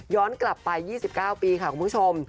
กลับไป๒๙ปีค่ะคุณผู้ชม